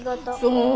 そう。